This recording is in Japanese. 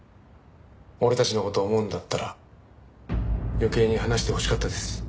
俺たちの事を思うんだったら余計に話してほしかったです。